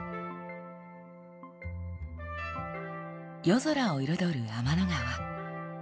夜空を彩る天の川。